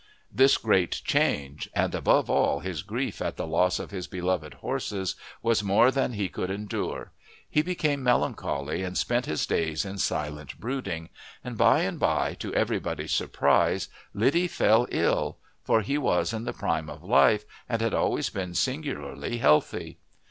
This great change, and above all his grief at the loss of his beloved horses, was more than he could endure. He became melancholy and spent his days in silent brooding, and by and by, to everybody's surprise, Liddy fell ill, for he was in the prime of life and had always been singularly healthy.